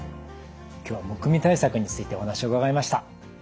今日はむくみ対策についてお話を伺いました。